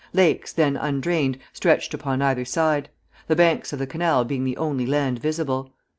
Lakes, then undrained, stretched upon either side; the banks of the canal being the only land visible.